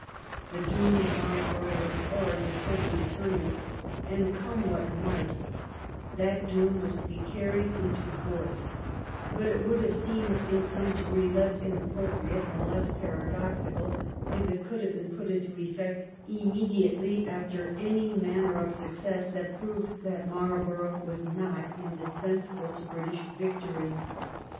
The doom of Marlborough was already fully deter mined, and, come what might, that doom was to be carried into force ; but it would have seemed in some degree less inappropriate and less paradoxical if it could have been put into effect immediately after any manner of success had proved that Marlborough was not indispensable to British victory.